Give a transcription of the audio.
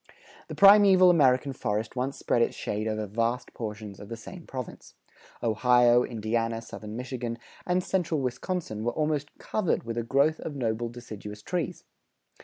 The primeval American forest once spread its shade over vast portions of the same province. Ohio, Indiana, southern Michigan, and central Wisconsin were almost covered with a growth of noble deciduous trees.